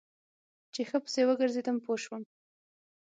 چې ښه پسې وګرځېدم پوه سوم.